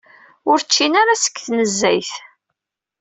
Ur ččint ara seg tnezzayt.